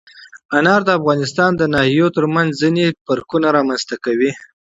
انار د افغانستان د ناحیو ترمنځ ځینې تفاوتونه رامنځ ته کوي.